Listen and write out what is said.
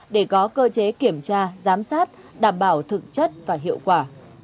để có cơ chế kiểm tra giám sát đảm bảo thực chất và hiệu quả